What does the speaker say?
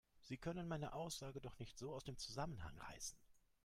Sie können meine Aussage doch nicht so aus dem Zusammenhang reißen